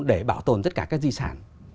để bảo tồn tất cả các di sản